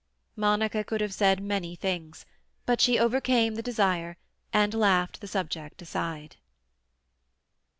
Monica could have said many things, but she overcame the desire, and laughed the subject aside.